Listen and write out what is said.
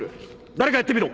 誰かやってみろ。